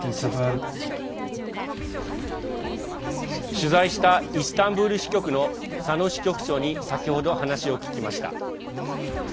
取材したイスタンブール支局の佐野支局長に先ほど話を聞きました。